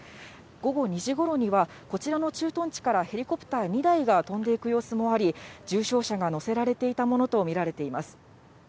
午後２時ごろには、こちらの駐屯地から、ヘリコプター２台が飛んでいく様子もあり、重傷者が乗せられていたものと見られています。